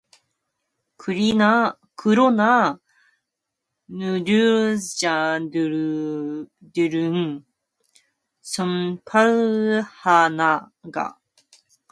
그러나 노동자들은 손발 하나 까딱하지 않고 바라만 볼 뿐이었다.